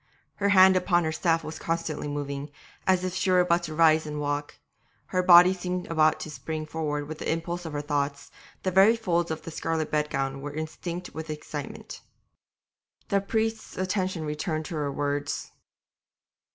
Her hand upon her staff was constantly moving, as if she were about to rise and walk; her body seemed about to spring forward with the impulse of her thoughts, the very folds of the scarlet bedgown were instinct with excitement. The priest's attention returned to her words.